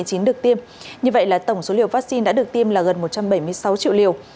covid một mươi chín được tiêm như vậy là tổng số liều vaccine đã được tiêm là gần một trăm bảy mươi sáu triệu liều